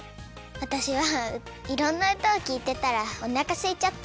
わたしはいろんなうたをきいてたらおなかすいちゃった。